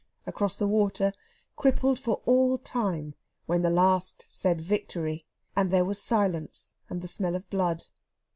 across the water, crippled for all time when the last said "Victory!" and there was silence and the smell of blood.